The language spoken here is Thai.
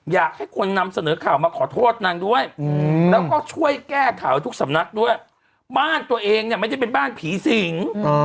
อยากให้คนนำเสนอข่าวมาขอโทษนางด้วยแล้วก็ช่วยแก้ข่าวทุกสำนักด้วยบ้านตัวเองเนี่ยไม่ได้เป็นบ้านผีสิง